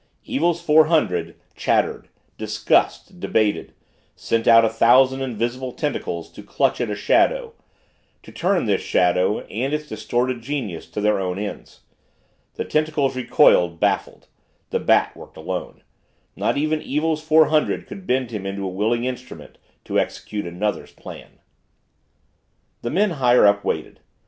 Evil's Four Hundred chattered, discussed, debated sent out a thousand invisible tentacles to clutch at a shadow to turn this shadow and its distorted genius to their own ends. The tentacles recoiled, baffled the Bat worked alone not even Evil's Four Hundred could bend him into a willing instrument to execute another's plan. The men higher up waited.